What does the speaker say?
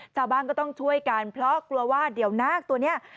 ชาวบ้านก็ต้องช่วยกันเพราะกลัวว่าเดี๋ยวนาคตัวนี้